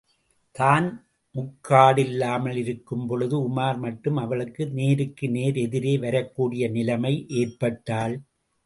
தான் முக்காடில்லாமல் இருக்கும்பொழுது, உமார் மட்டும் அவளுக்கு நேருக்கு நேர் எதிரே வரக்கூடிய நிலைமை ஏற்பட்டால்.